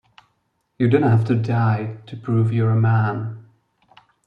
You don't have to die to prove you're a man.